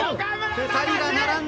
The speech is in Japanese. ２人が並んだ。